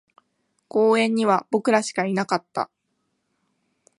公園には僕らしかいなかった